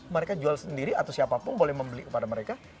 mereka jual sendiri atau siapapun boleh membeli kepada mereka